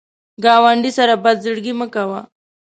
ګاونډي سره بد زړګي مه کوه